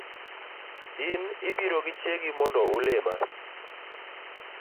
In ibiro gi chiegi mondo ulima